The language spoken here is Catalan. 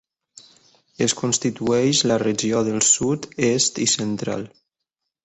Es constitueix la regió del sud, est i central.